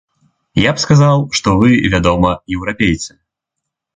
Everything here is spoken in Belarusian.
Я б сказаў, што вы, вядома, еўрапейцы.